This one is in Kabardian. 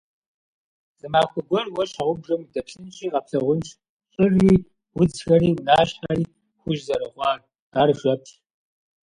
Зы махуэ гуэр уэ щхьэгъубжэм удэплъынщи къэплъагъунщ щӏыри, удзхэри, унащхьэри хужь зэрыхъуар, ар жэпщ.